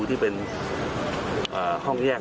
ที่เป็นห้องแยก